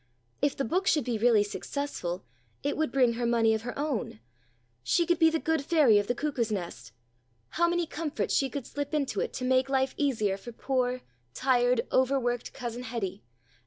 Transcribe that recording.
If the book should be really successful it would bring her money of her own. She could be the good fairy of the Cuckoo's Nest. How many comforts she could slip into it to make life easier for poor tired, over worked cousin Hetty!